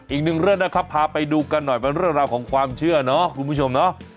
อีกหนึ่งเรื่องนะครับพาไปดูกันหน่อยเป็นเรื่องราวของความเชื่อเนาะคุณผู้ชมเนาะ